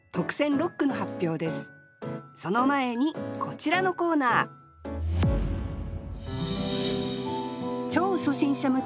その前にこちらのコーナー超初心者向け「０から俳句」。